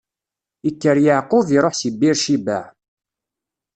Ikker Yeɛqub iṛuḥ si Bir Cibaɛ.